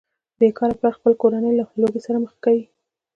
بې کاره پلار خپله کورنۍ له لوږې سره مخ کوي